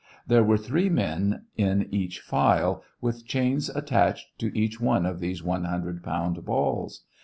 There were three men in each file, with chains attached to each one of these 100 pound balls.